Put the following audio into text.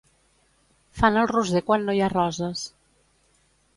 Fan el roser quan no hi ha roses.